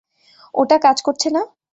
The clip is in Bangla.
ওটা কাজ করছে না?